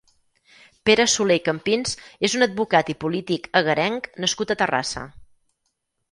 Pere Soler i Campins és un advocat i polític egarenc nascut a Terrassa.